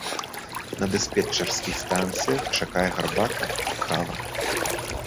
На дыспетчарскіх станцыях чакае гарбата і кава.